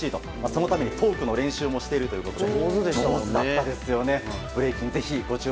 そのためにトークの練習もしているということで。